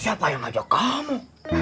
siapa yang ajak kamu